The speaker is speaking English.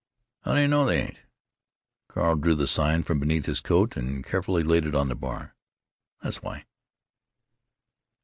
"How do you know they ain't?" Carl drew the sign from beneath his coat and carefully laid it on the bar. "That's why."